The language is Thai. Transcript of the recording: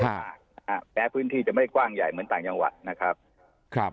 มากนะฮะแม้พื้นที่จะไม่กว้างใหญ่เหมือนต่างจังหวัดนะครับครับ